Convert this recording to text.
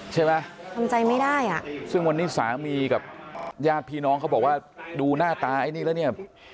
ใช่ไหมทำใจไม่ได้อ่ะซึ่งวันนี้สามีกับญาติพี่น้องเขาบอกว่าดูหน้าตาไอ้นี่แล้วเนี่ย